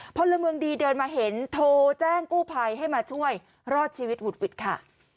พลเมืองดีเดินมาเห็นโทรแจ้งกู้ภัยให้มาช่วยรอดชีวิตหุดหวิดค่ะ